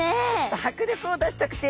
迫力を出したくて。